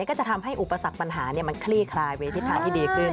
ก็จะทำให้อุปสรรคปัญหามันคลี่คลายเวทิศทางที่ดีขึ้น